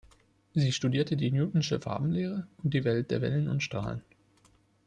Sie studierte die Newtonsche Farbenlehre und die Welt der Wellen und Strahlen.